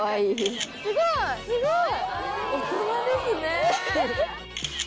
すごい！